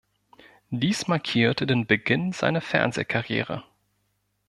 Dies markierte den Beginn seiner Fernsehkarriere.